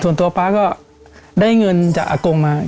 ส่วนตัวป๊าก็ได้เงินจากอากงมา